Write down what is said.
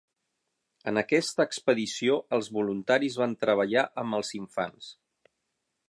En aquesta expedició, els voluntaris van treballar amb els infants.